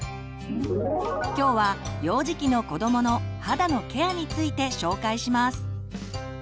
今日は幼児期の子どもの肌のケアについて紹介します。